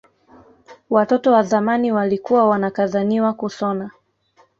Watoto wa zamani walikuwa wanakazaniwa kusona